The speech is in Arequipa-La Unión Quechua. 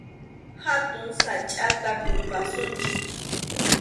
Hatun sachʼata kumpasunchik.